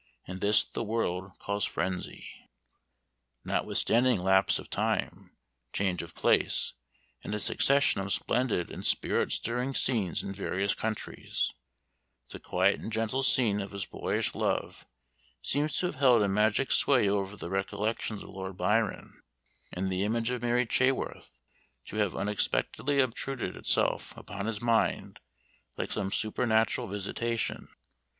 And this the world calls frenzy." Notwithstanding lapse of time, change of place, and a succession of splendid and spirit stirring scenes in various countries, the quiet and gentle scene of his boyish love seems to have held a magic sway over the recollections of Lord Byron, and the image of Mary Chaworth to have unexpectedly obtruded itself upon his mind like some supernatural visitation.